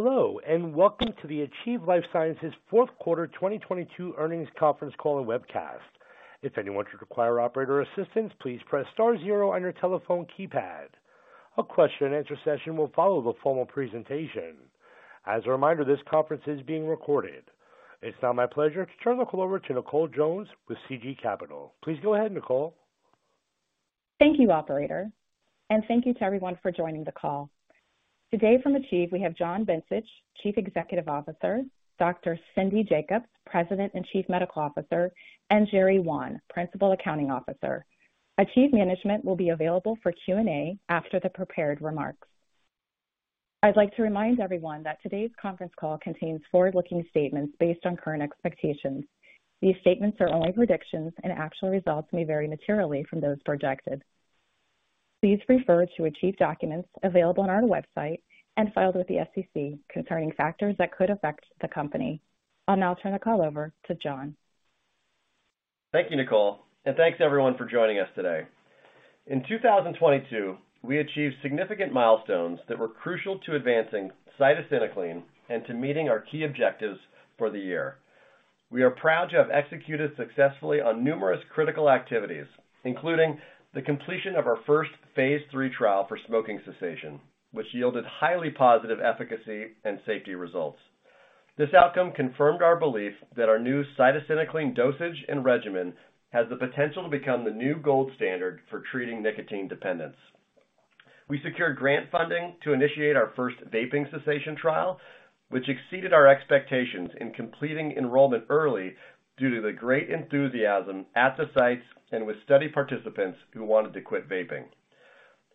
Hello. Welcome to the Achieve Life Sciences fourth quarter 2022 earnings conference call and webcast. If anyone should require operator assistance, please press star zero on your telephone keypad. A question and answer session will follow the formal presentation. As a reminder, this conference is being recorded. It's now my pleasure to turn the call over to Nicole Jones with CG Capital. Please go ahead, Nicole. Thank you, operator, and thank you to everyone for joining the call. Today from Achieve we have John Bencich, Chief Executive Officer, Dr. Cindy Jacobs, President and Chief Medical Officer, and Jerry Wan, Principal Accounting Officer. Achieve management will be available for Q&A after the prepared remarks. I'd like to remind everyone that today's conference call contains forward-looking statements based on current expectations. These statements are only predictions and actual results may vary materially from those projected. Please refer to Achieve documents available on our website and filed with the SEC concerning factors that could affect the company. I'll now turn the call over to John. Thank you, Nicole, and thanks everyone for joining us today. In 2022, we achieved significant milestones that were crucial to advancing cytisinicline and to meeting our key objectives for the year. We are proud to have executed successfully on numerous critical activities, including the completion of our first phase 3 trial for smoking cessation, which yielded highly positive efficacy and safety results. This outcome confirmed our belief that our new cytisinicline dosage and regimen has the potential to become the new gold standard for treating nicotine dependence. We secured grant funding to initiate our first vaping cessation trial, which exceeded our expectations in completing enrollment early due to the great enthusiasm at the sites and with study participants who wanted to quit vaping.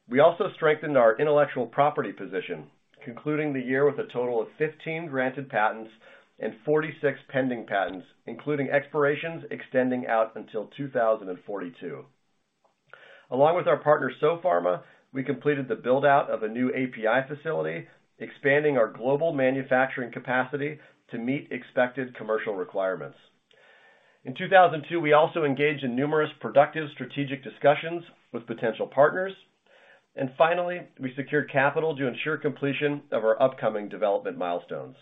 We also strengthened our intellectual property position, concluding the year with a total of 15 granted patents and 46 pending patents, including expirations extending out until 2042. Along with our partner, Sopharma, we completed the build-out of a new API facility, expanding our global manufacturing capacity to meet expected commercial requirements. In 2002, we also engaged in numerous productive strategic discussions with potential partners. Finally, we secured capital to ensure completion of our upcoming development milestones.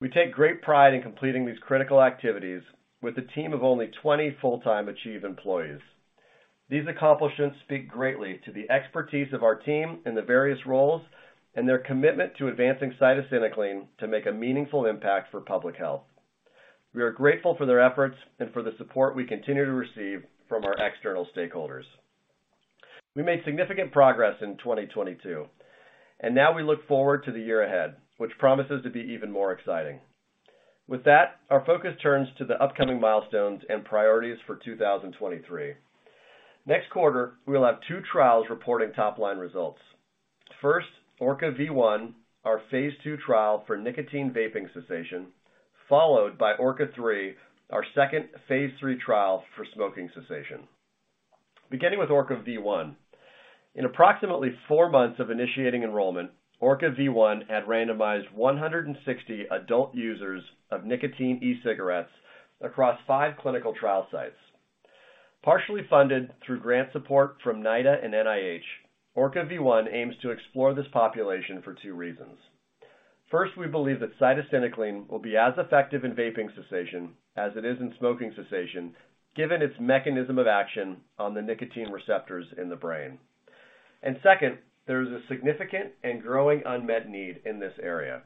We take great pride in completing these critical activities with a team of only 20 full-time Achieve employees. These accomplishments speak greatly to the expertise of our team in the various roles and their commitment to advancing cytisinicline to make a meaningful impact for public health. We are grateful for their efforts and for the support we continue to receive from our external stakeholders. We made significant progress in 2022. Now we look forward to the year ahead, which promises to be even more exciting. With that, our focus turns to the upcoming milestones and priorities for 2023. Next quarter, we will have 2 trials reporting top-line results. First, ORCA-V1, our phase 2 trial for nicotine vaping cessation, followed by ORCA-3, our second phase 3 trial for smoking cessation. Beginning with ORCA-V1, in approximately Four months of initiating enrollment, ORCA-V1 had randomized 160 adult users of nicotine e-cigarettes across Five clinical trial sites. Partially funded through grant support from NIDA and NIH, ORCA-V1 aims to explore this population for Two reasons. First, we believe that cytisinicline will be as effective in vaping cessation as it is in smoking cessation, given its mechanism of action on the nicotine receptors in the brain. Second, there is a significant and growing unmet need in this area.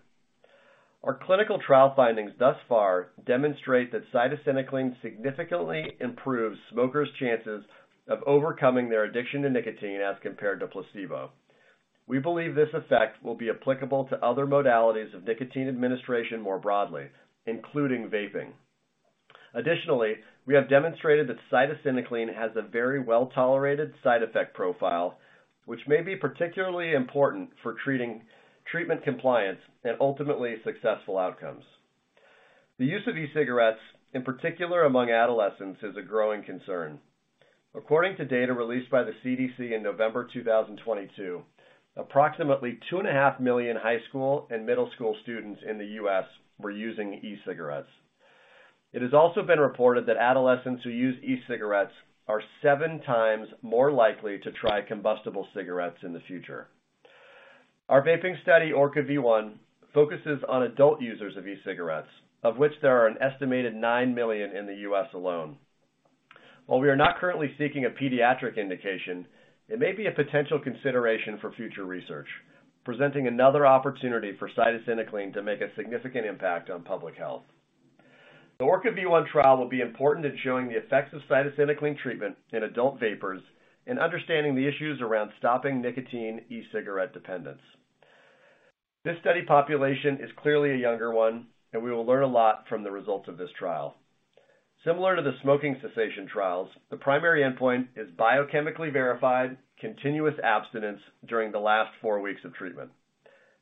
Our clinical trial findings thus far demonstrate that cytisinicline significantly improves smokers' chances of overcoming their addiction to nicotine as compared to placebo. We believe this effect will be applicable to other modalities of nicotine administration more broadly, including vaping. Additionally, we have demonstrated that cytisinicline has a very well-tolerated side effect profile, which may be particularly important for treating treatment compliance and ultimately successful outcomes. The use of e-cigarettes, in particular among adolescents, is a growing concern. According to data released by the CDC in November 2022, approximately 2.5 million high school and middle school students in the U.S. were using e-cigarettes. It has also been reported that adolescents who use e-cigarettes are Seven times more likely to try combustible cigarettes in the future. Our vaping study, ORCA-V1, focuses on adult users of e-cigarettes, of which there are an estimated Nine million in the U.S. alone. While we are not currently seeking a pediatric indication, it may be a potential consideration for future research, presenting another opportunity for cytisinicline to make a significant impact on public health. The ORCA-V1 trial will be important in showing the effects of cytisinicline treatment in adult vapers and understanding the issues around stopping nicotine e-cigarette dependence. This study population is clearly a younger one. We will learn a lot from the results of this trial. Similar to the smoking cessation trials, the primary endpoint is biochemically verified continuous abstinence during the last 4 weeks of treatment.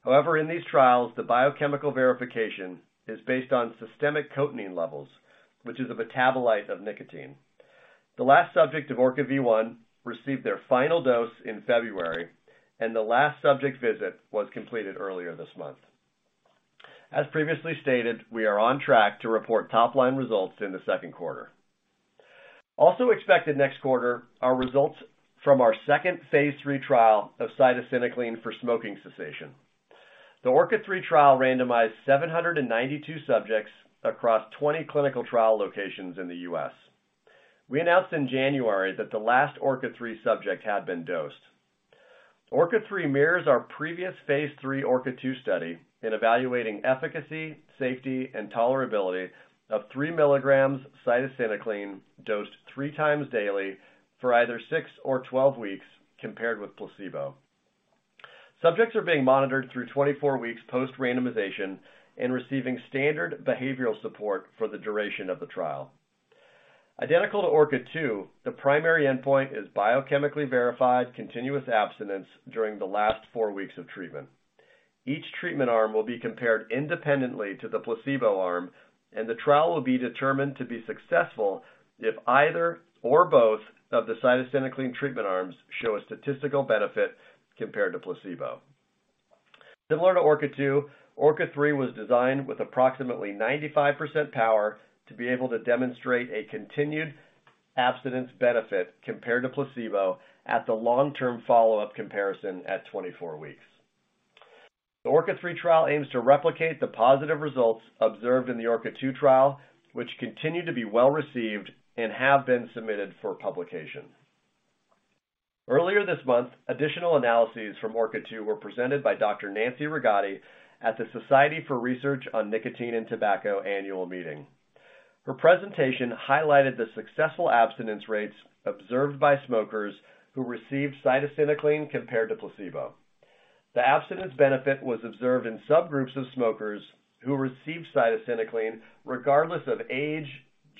In these trials, the biochemical verification is based on systemic cotinine levels, which is a metabolite of nicotine. The last subject of ORCA-V1 received their final dose in February, and the last subject visit was completed earlier this month. As previously stated, we are on track to report top-line results in the second quarter. Also expected next quarter are results from our second phase 3 trial of cytisinicline for smoking cessation. The ORCA-3 trial randomized 792 subjects across 20 clinical trial locations in the U.S. We announced in January that the last ORCA-3 subject had been dosed. ORCA-3 mirrors our previous Phase 3 ORCA-2 study in evaluating efficacy, safety, and tolerability of Three milligrams cytisinicline dosed Three times daily for either Six or 12 weeks compared with placebo. Subjects are being monitored through 24 weeks post-randomization and receiving standard behavioral support for the duration of the trial. Identical to ORCA-2, the primary endpoint is biochemically verified continuous abstinence during the last Four weeks of treatment. Each treatment arm will be compared independently to the placebo arm, and the trial will be determined to be successful if either or both of the cytisinicline treatment arms show a statistical benefit compared to placebo. Similar to ORCA-2, ORCA-3 was designed with approximately 95% power to be able to demonstrate a continued abstinence benefit compared to placebo at the long-term follow-up comparison at 24 weeks. The ORCA-3 trial aims to replicate the positive results observed in the ORCA-2 trial, which continue to be well-received and have been submitted for publication. Earlier this month, additional analyses from ORCA-2 were presented by Dr. Nancy Rigotti at the Society for Research on Nicotine and Tobacco annual meeting. Her presentation highlighted the successful abstinence rates observed by smokers who received cytisinicline compared to placebo. The abstinence benefit was observed in subgroups of smokers who received cytisinicline regardless of age,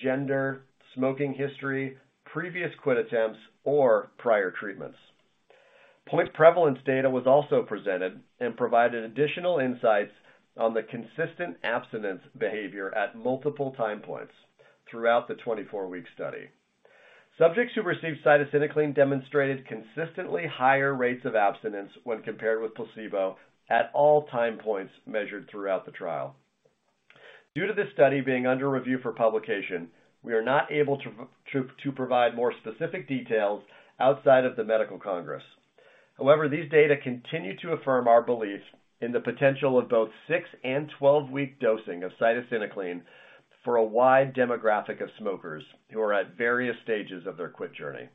gender, smoking history, previous quit attempts, or prior treatments. Point prevalence data was also presented and provided additional insights on the consistent abstinence behavior at multiple time points throughout the 24-week study. Subjects who received cytisinicline demonstrated consistently higher rates of abstinence when compared with placebo at all time points measured throughout the trial. Due to this study being under review for publication, we are not able to provide more specific details outside of the Medical Congress. However, these data continue to affirm our belief in the potential of both Six and 12-week dosing of cytisinicline for a wide demographic of smokers who are at various stages of their quit journey.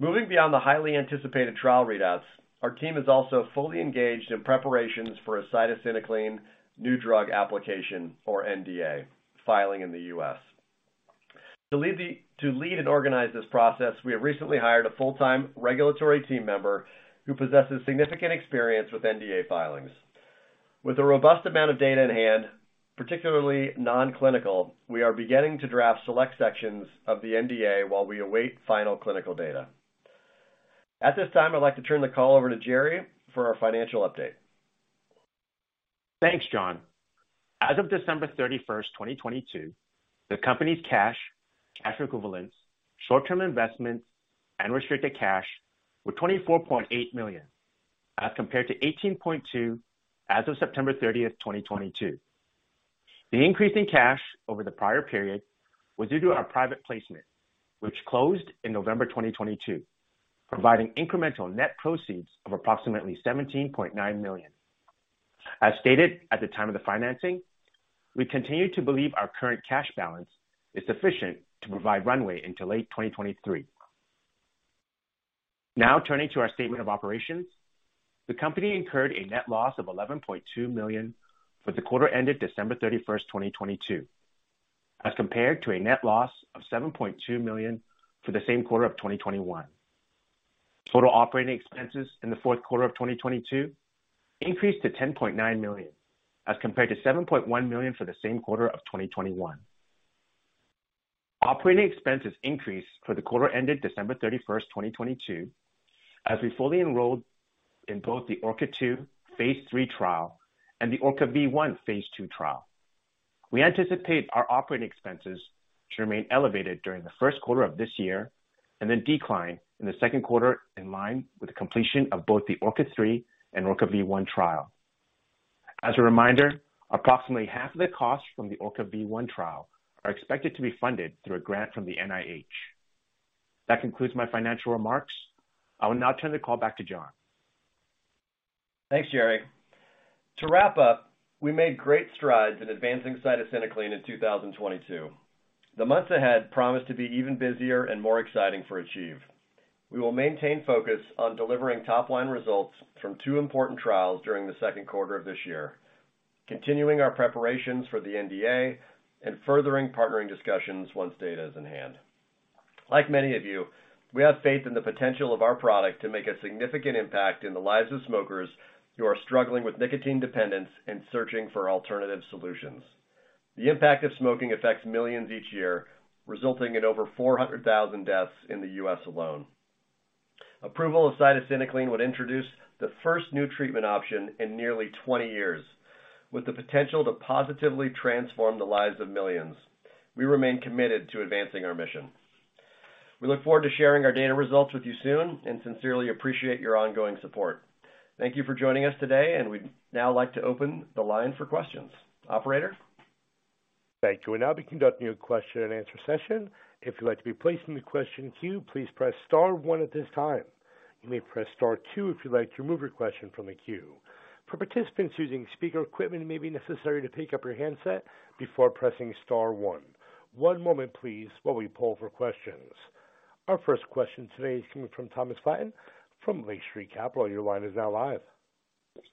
Moving beyond the highly anticipated trial readouts, our team is also fully engaged in preparations for a cytisinicline new drug application or NDA filing in the U.S. To lead and organize this process, we have recently hired a full-time regulatory team member who possesses significant experience with NDA filings. With a robust amount of data in hand, particularly non-clinical, we are beginning to draft select sections of the NDA while we await final clinical data. At this time, I'd like to turn the call over to Jerry for our financial update. Thanks, John. As of December 31, 2022, the company's cash equivalents, short-term investments, and restricted cash were $24.8 million as compared to $18.2 million as of September 30, 2022. The increase in cash over the prior period was due to our private placement, which closed in November 2022, providing incremental net proceeds of approximately $17.9 million. As stated at the time of the financing, we continue to believe our current cash balance is sufficient to provide runway into late 2023. Turning to our statement of operations. The company incurred a net loss of $11.2 million for the quarter ended December 31, 2022, as compared to a net loss of $7.2 million for the same quarter of 2021. Total operating expenses in the fourth quarter of 2022 increased to $10.9 million as compared to $7.1 million for the same quarter of 2021. Operating expenses increased for the quarter ended December 31st, 2022, as we fully enrolled in both the ORCA-2 phase 3 trial and the ORCA-V1 phase 2 trial. We anticipate our operating expenses to remain elevated during the first quarter of this year and then decline in the second quarter in line with the completion of both the ORCA-3 and ORCA-V1 trial. As a reminder, approximately half of the costs from the ORCA-V1 trial are expected to be funded through a grant from the NIH. That concludes my financial remarks. I will now turn the call back to John. Thanks, Jerry. To wrap up, we made great strides in advancing cytisinicline in 2022. The months ahead promise to be even busier and more exciting for Achieve. We will maintain focus on delivering top-line results from two important trials during the second quarter of this year, continuing our preparations for the NDA and furthering partnering discussions once data is in hand. Like many of you, we have faith in the potential of our product to make a significant impact in the lives of smokers who are struggling with nicotine dependence and searching for alternative solutions. The impact of smoking affects millions each year, resulting in over 400,000 deaths in the U.S. alone. Approval of cytisinicline would introduce the first new treatment option in nearly 20 years, with the potential to positively transform the lives of millions. We remain committed to advancing our mission. We look forward to sharing our data results with you soon and sincerely appreciate your ongoing support. Thank you for joining us today, and we'd now like to open the line for questions. Operator? Thank you. We'll now be conducting a question and answer session. If you'd like to be placed in the question queue, please press star One at this time. You may press star Two if you'd like to remove your question from the queue. For participants using speaker equipment, it may be necessary to pick up your handset before pressing star One. One moment please while we poll for questions. Our first question today is coming from Thomas Flaten from Lake Street Capital. Your line is now live.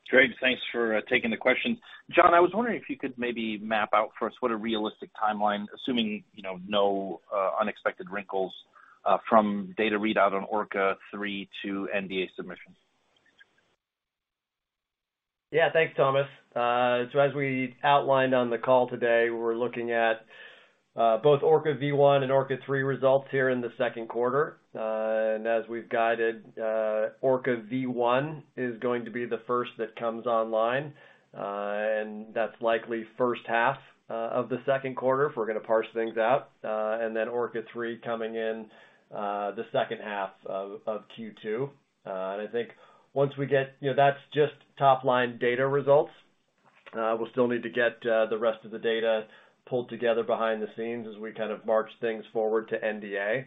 Great, thanks for taking the question. John, I was wondering if you could maybe map out for us what a realistic timeline, assuming you know, no unexpected wrinkles, from data readout on ORCA-3 to NDA submission? Thanks, Thomas. As we outlined on the call today, we're looking at both ORCA-V1 and ORCA-3 results here in the second quarter. As we've guided, ORCA-V1 is going to be the first that comes online, and that's likely first half of the second quarter if we're gonna parse things out. Then ORCA-3 coming in the second half of Q2. I think. You know, that's just top line data results. We'll still need to get the rest of the data pulled together behind the scenes as we kind of march things forward to NDA.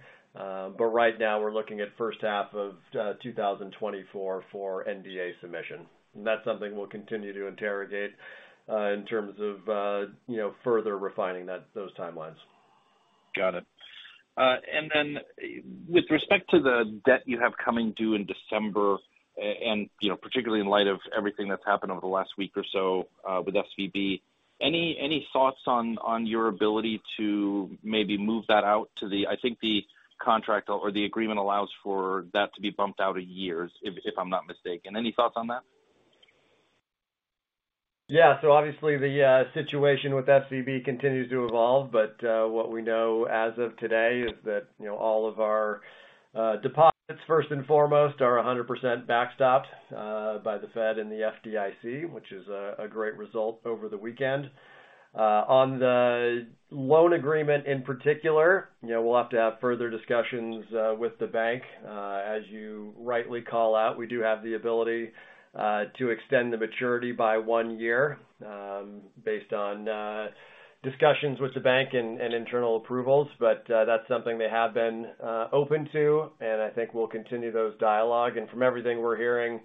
Right now, we're looking at first half of 2024 for NDA submission. That's something we'll continue to interrogate, in terms of, you know, further refining those timelines. Got it. With respect to the debt you have coming due in December, and, you know, particularly in light of everything that's happened over the last week or so, with SVB, any thoughts on your ability to maybe move that out to the I think the contract or the agreement allows for that to be bumped out a year if I'm not mistaken. Any thoughts on that? Yeah. Obviously the situation with SVB continues to evolve. What we know as of today is that, you know, all of our deposits, first and foremost, are 100% backstopped by the Fed and the FDIC, which is a great result over the weekend. On the loan agreement in particular, you know, we'll have to have further discussions with the bank. As you rightly call out, we do have the ability to extend the maturity by 1 year, based on discussions with the bank and internal approvals. That's something they have been open to, and I think we'll continue those dialogue. From everything we're hearing,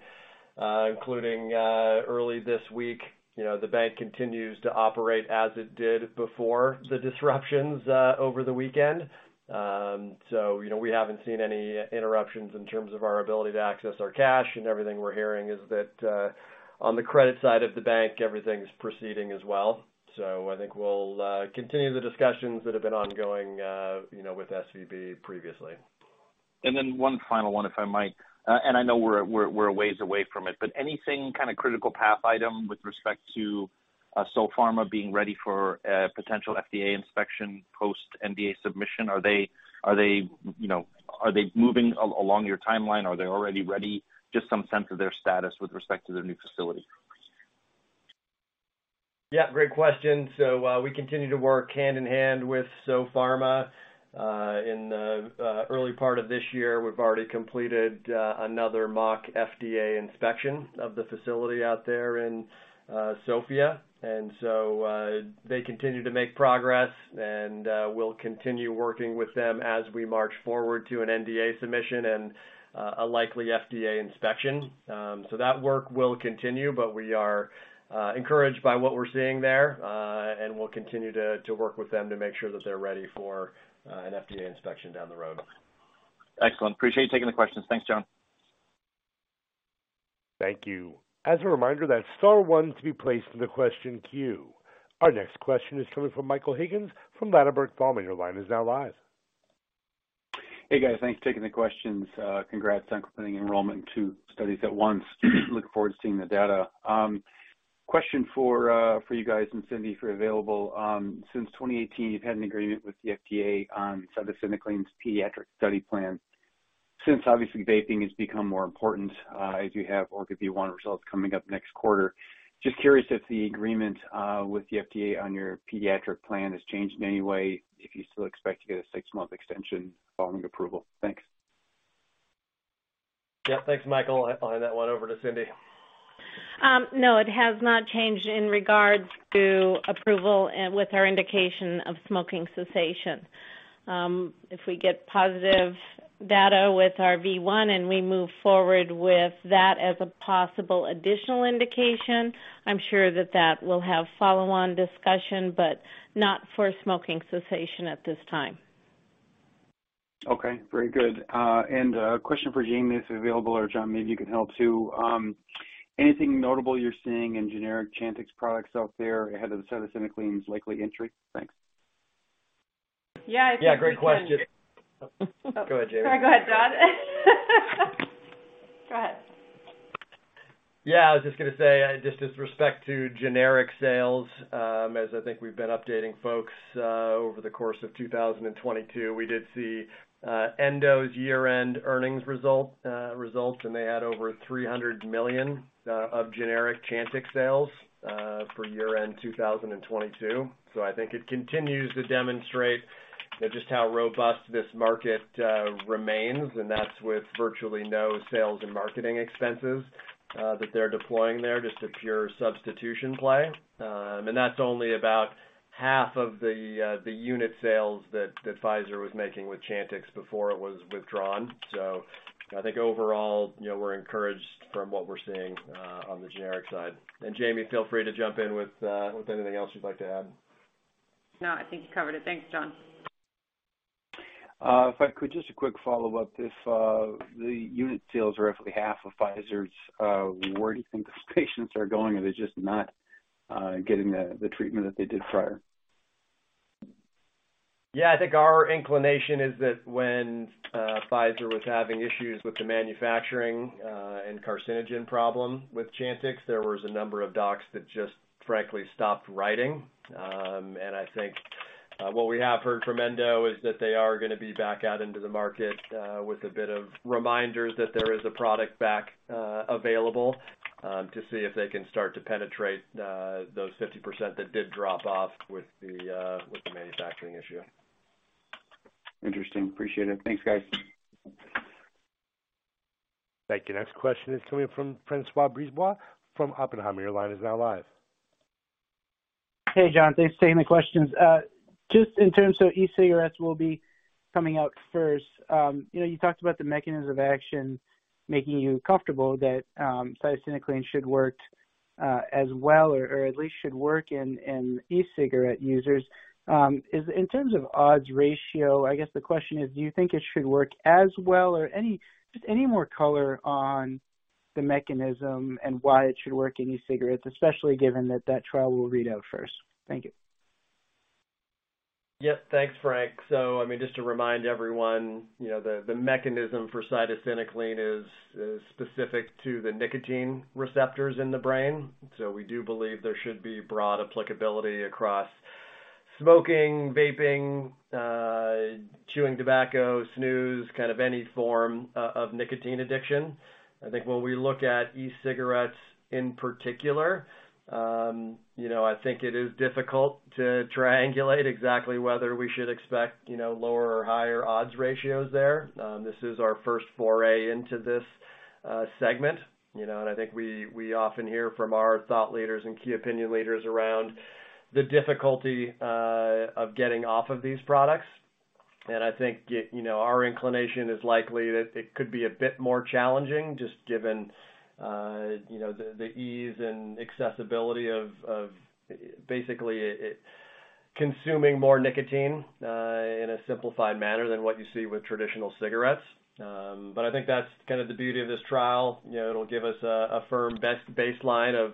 including early this week, you know, the bank continues to operate as it did before the disruptions over the weekend. You know, we haven't seen any interruptions in terms of our ability to access our cash. Everything we're hearing is that on the credit side of the bank, everything's proceeding as well. I think we'll continue the discussions that have been ongoing, you know, with SVB previously. One final one, if I might. I know we're a ways away from it, anything kind of critical path item with respect to Sopharma being ready for a potential FDA inspection post NDA submission? Are they, you know, are they moving along your timeline? Are they already ready? Just some sense of their status with respect to their new facility. Great question. We continue to work hand in hand with Sopharma. In the early part of this year, we've already completed another mock FDA inspection of the facility out there in Sofia. They continue to make progress, and we'll continue working with them as we march forward to an NDA submission and a likely FDA inspection. That work will continue, but we are encouraged by what we're seeing there, and we'll continue to work with them to make sure that they're ready for an FDA inspection down the road. Excellent. Appreciate you taking the questions. Thanks, John. Thank you. As a reminder, that's star one to be placed in the question queue. Our next question is coming from Michael Higgins from Ladenburg Thalmann. Your line is now live. Hey, guys. Thanks for taking the questions. Congrats on completing enrollment in 2 studies at once. Look forward to seeing the data. Question for you guys, and Cindy if you're available. Since 2018, you've had an agreement with the FDA on cytisinicline's pediatric study plan. Since obviously vaping has become more important, as you have ORCA-V1 results coming up next quarter, just curious if the agreement with the FDA on your pediatric plan has changed in any way, if you still expect to get a 6-month extension following approval. Thanks. Yeah. Thanks, Michael. I'll hand that one over to Cindy. No, it has not changed in regards to approval and with our indication of smoking cessation. If we get positive data with our V1 and we move forward with that as a possible additional indication, I'm sure that that will have follow-on discussion, but not for smoking cessation at this time. Okay. Very good. A question for Jaime if he's available, or John, maybe you can help too. Anything notable you're seeing in generic Chantix products out there ahead of the cytisinicline's likely entry? Thanks. Yeah, I think. Yeah, great question. Go ahead, Jaime. No, go ahead, John. Go ahead. Yeah, I was just gonna say, just with respect to generic sales, as I think we've been updating folks, over the course of 2022, we did see Endo's year-end earnings result, results, and they had over $300 million of generic Chantix sales for year-end 2022. I think it continues to demonstrate just how robust this market remains, and that's with virtually no sales and marketing expenses that they're deploying there, just a pure substitution play. That's only about half of the unit sales that Pfizer was making with Chantix before it was withdrawn. I think overall, you know, we're encouraged from what we're seeing on the generic side. Jaime, feel free to jump in with anything else you'd like to add. No, I think you covered it. Thanks, John. If I could, just a quick follow-up. If the unit sales are roughly half of Pfizer's, where do you think the patients are going? Are they just not getting the treatment that they did prior? Yeah. I think our inclination is that when Pfizer was having issues with the manufacturing and carcinogen problem with Chantix, there was a number of docs that just frankly stopped writing. I think what we have heard from Endo is that they are gonna be back out into the market with a bit of reminders that there is a product back available to see if they can start to penetrate those 50% that did drop off with the manufacturing issue Interesting. Appreciate it. Thanks, guys. Thank you. Next question is coming from Francois Brisebois from Oppenheimer. Your line is now live. Hey, John. Thanks for taking the questions. Just in terms of e-cigarettes will be coming out first, you know, you talked about the mechanism of action making you comfortable that cytisinicline should work as well or at least should work in e-cigarette users. Is in terms of odds ratio, I guess the question is, do you think it should work as well or Just any more color on the mechanism and why it should work in e-cigarettes, especially given that that trial will read out first? Thank you. Yep. Thanks, Frank. I mean, just to remind everyone, you know, the mechanism for cytisinicline is specific to the nicotine receptors in the brain. We do believe there should be broad applicability across smoking, vaping, chewing tobacco, snus, kind of any form of nicotine addiction. I think when we look at e-cigarettes in particular, you know, I think it is difficult to triangulate exactly whether we should expect, you know, lower or higher odds ratios there. This is our first foray into this segment, you know, and I think we often hear from our thought leaders and key opinion leaders around the difficulty of getting off of these products. I think, you know, our inclination is likely that it could be a bit more challenging just given, you know, the ease and accessibility of basically it consuming more nicotine in a simplified manner than what you see with traditional cigarettes. I think that's kind of the beauty of this trial. You know, it'll give us a firm baseline of,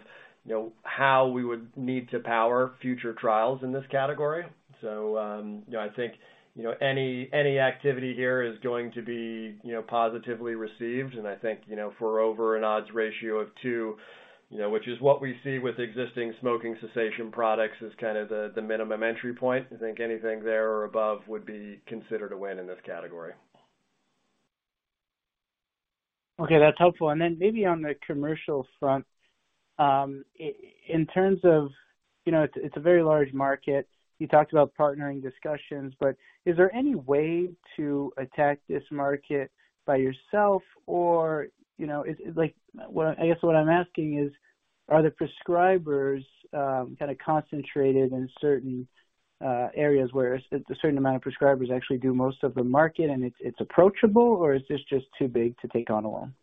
you know, how we would need to power future trials in this category. I think, you know, any activity here is going to be, you know, positively received, and I think, you know, for over an odds ratio of two, you know, which is what we see with existing smoking cessation products, is kind of the minimum entry point. I think anything there or above would be considered a win in this category. Okay. That's helpful. Then maybe on the commercial front, in terms of, you know, it's a very large market. You talked about partnering discussions, but is there any way to attack this market by yourself? Or, you know, I guess what I'm asking is, are the prescribers, kind concentrated in certain areas where a certain amount of prescribers actually do most of the market and it's approachable, or is this just too big to take on alone?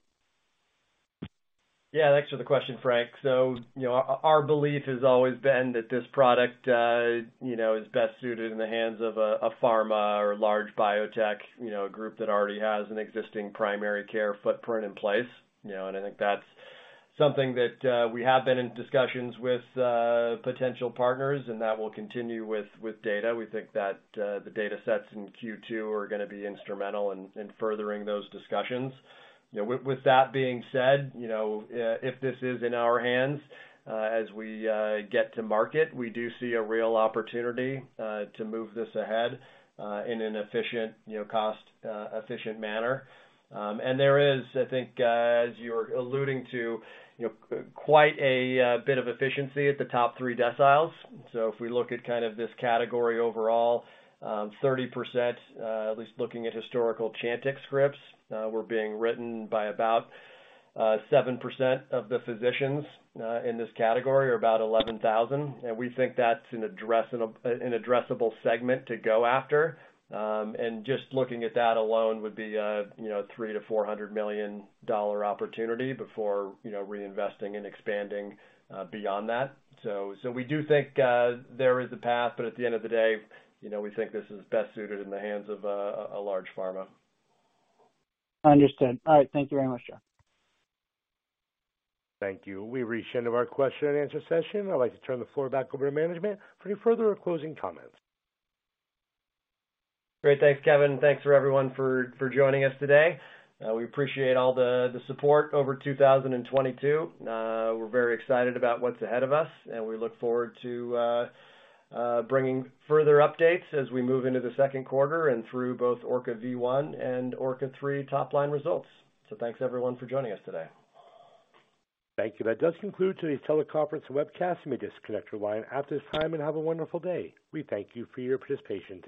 Yeah. Thanks for the question, Frank. You know, our belief has always been that this product, you know, is best suited in the hands of a pharma or large biotech, you know, a group that already has an existing primary care footprint in place. I think that's something that we have been in discussions with potential partners, and that will continue with data. We think that the datasets in Q2 are gonna be instrumental in furthering those discussions. With that being said, you know, if this is in our hands, as we get to market, we do see a real opportunity to move this ahead in an efficient, you know, cost efficient manner. There is, I think, as you're alluding to, you know, quite a bit of efficiency at the top three deciles. If we look at kind of this category overall, 30%, at least looking at historical Chantix scripts, were being written by about 7% of the physicians in this category or about 11,000. We think that's an addressable segment to go after. Just looking at that alone would be a, you know, $300 million-$400 million opportunity before, you know, reinvesting and expanding beyond that. We do think there is a path, but at the end of the day, you know, we think this is best suited in the hands of a large pharma. Understood. All right. Thank you very much, John. Thank you. We've reached the end of our question and answer session. I'd like to turn the floor back over to management for any further or closing comments. Great. Thanks, Kevin. Thanks for everyone for joining us today. We appreciate all the support over 2022. We're very excited about what's ahead of us, and we look forward to bringing further updates as we move into the second quarter and through both ORCA-1 and ORCA-3 top-line results. Thanks, everyone, for joining us today. Thank you. That does conclude today's teleconference and webcast. You may disconnect your line at this time and have a wonderful day. We thank you for your participation today.